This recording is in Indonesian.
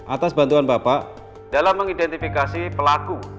atas bantuan bapak dalam mengidentifikasi pelaku